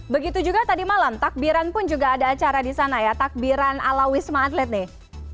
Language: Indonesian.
begitu juga tadi malam takbiran pun juga ada acara di sana ya takbiran ala wisma atlet nih